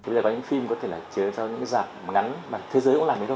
bây giờ có những phim có thể là chứa cho những giảm ngắn mà thế giới cũng làm đấy thôi